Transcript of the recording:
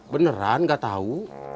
beneran gak tahu